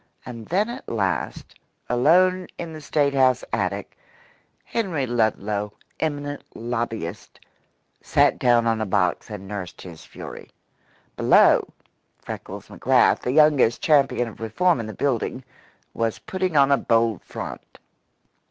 And then at last, alone in the State house attic, Henry Ludlow, eminent lobbyist, sat down on a box and nursed his fury. Below, Freckles McGrath, the youngest champion of reform in the building, was putting on a bold front.